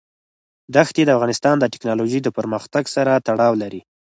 دښتې د افغانستان د تکنالوژۍ د پرمختګ سره تړاو لري.